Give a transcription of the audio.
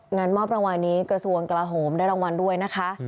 งานมอบรางวัลนี้กระทรวงกลาโหมได้รางวัลด้วยนะคะ